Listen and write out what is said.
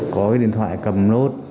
có cái điện thoại cầm nốt